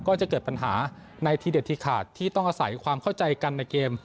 ก็จะเกิดปัญหาในทีเด็ดที่ขาดที่ต้องอาศัยความเข้าใจกันในเกม